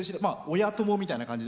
親友みたいな感じ。